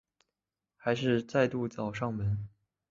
还是再度找上门